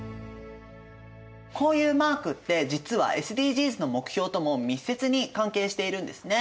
こういうマークって実はＳＤＧｓの目標とも密接に関係しているんですね。